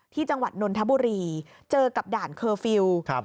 จังหวัดนนทบุรีเจอกับด่านเคอร์ฟิลล์